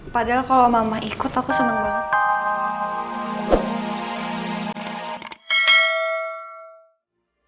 padahal kalau mama ikut aku seneng banget